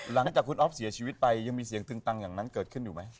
หลังจากคุณอ๊อฟเสียชีวิตไปยังมีเสียงตึงตังอย่างนั้นเกิดขึ้นอยู่ไหม